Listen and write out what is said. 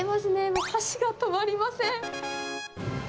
もう箸が止まりません。